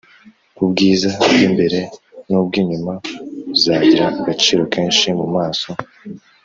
ubwiza bw’imbere n’ubw inyuma uzagira agaciro kenshi mu maso